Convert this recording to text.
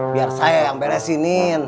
biar sayang beresin nin